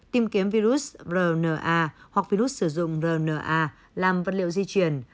tìm kiếm virus rna hoặc virus sử dụng rna làm vật liệu di chuyển